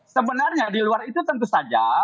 sebenarnya di luar itu tentu saja